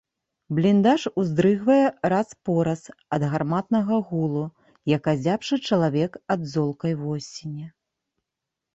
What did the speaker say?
Бліндаж уздрыгвае раз-пораз ад гарматнага гулу, як азябшы чалавек ад золкай восені.